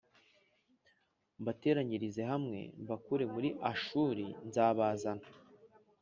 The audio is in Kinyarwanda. mbateranyirize hamwe mbakure muri Ashuri s nzabazana